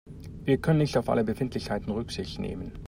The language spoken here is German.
Wir können nicht auf alle Befindlichkeiten Rücksicht nehmen.